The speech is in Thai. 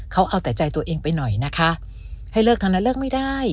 เขาเอาแต่ใจตัวเองไปหน่อยนะคะให้เลิกทั้งนั้นเลิกไม่ได้